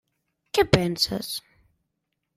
Què penses?